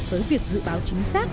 với việc dự báo chính xác